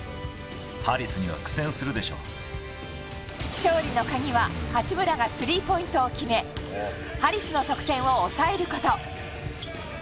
勝利の鍵は八村がスリーポイントを決めハリスの得点を抑えること。